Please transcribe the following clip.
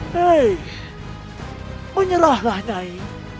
hei menyerahlah nai